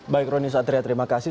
baik roni satria terima kasih